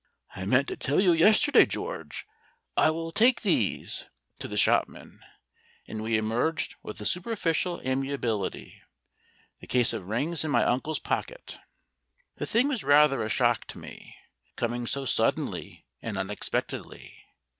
"I meant to tell you yesterday, George I will take these," to the shopman. And we emerged with a superficial amiability; the case of rings in my uncle's pocket. The thing was rather a shock to me, coming so suddenly and unexpectedly.